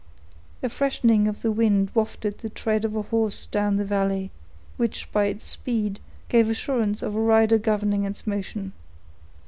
A freshening of the wind wafted the tread of a horse down the valley, which, by its speed, gave assurance of a rider governing its motion.